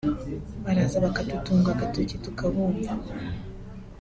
Baraza bakadutunga agatoki tukabumva